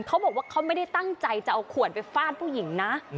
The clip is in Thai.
เขาบอกว่าเขาไม่ได้ตั้งใจจะเอาขวดไปฟาดผู้หญิงนะ